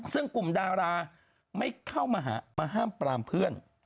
ซึ่งกลุ่มดาราไม่เข้ามาห้ามปรามเพื่อน